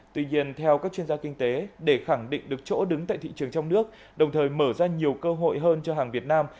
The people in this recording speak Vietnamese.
tuy nhiên theo các chuyên gia kinh tế để khẳng định được chỗ đứng tại thị trường trong nước đồng thời mở ra nhiều cơ hội hơn cho hàng việt nam